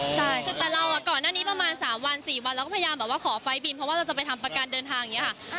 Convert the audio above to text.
ใช่แต่เราก่อนหน้านี้ประมาณ๓วัน๔วันเราก็พยายามแบบว่าขอไฟล์บินเพราะว่าเราจะไปทำประกันเดินทางอย่างนี้ค่ะ